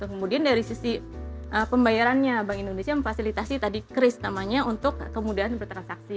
kemudian dari sisi pembayarannya bank indonesia memfasilitasi tadi kris namanya untuk kemudahan bertransaksi